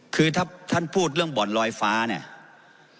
คือถ้าท่านพูดเรื่องบ่อนลอยฟ้าเนี่ย